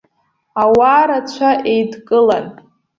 Ауаа рацәа еидкылан.